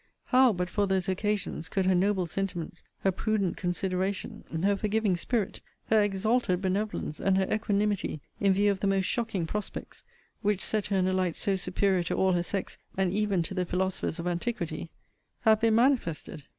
How, but for those occasions, could her noble sentiments, her prudent consideration, her forgiving spirit, her exalted benevolence, and her equanimity in view of the most shocking prospects (which set her in a light so superior to all her sex, and even to the philosophers of antiquity) have been manifested?